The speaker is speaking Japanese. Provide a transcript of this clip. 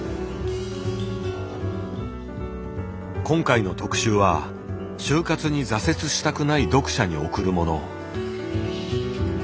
今回の特集は「終活」に挫折したくない読者に送るもの。